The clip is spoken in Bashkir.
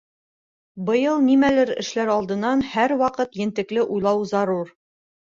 Быйыл нимәнелер эшләр алдынан һәр ваҡыт ентекле уйлау зарур.